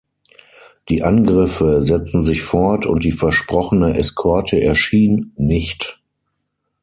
Die Angriffe setzen sich fort und die versprochene Eskorte erschien nicht.